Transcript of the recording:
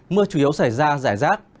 mưa chủ yếu xảy ra rải rác